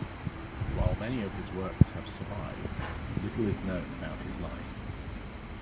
While many of his works have survived, little is known about his life.